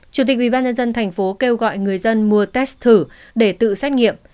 chủ tịch ubnd tp kêu gọi người dân mua test thử để tự xét nghiệm